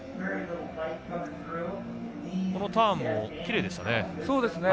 このターンもきれいでしたね。